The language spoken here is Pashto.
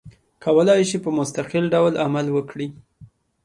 کولای شي په مستقل ډول عمل وکړي.